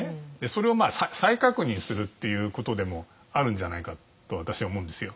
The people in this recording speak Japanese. それを再確認するっていうことでもあるんじゃないかと私は思うんですよ。